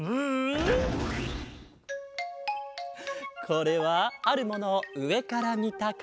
これはあるものをうえからみたかげだ。